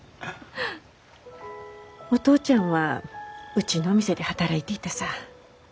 お父ちゃんはうちのお店で働いていたさぁ。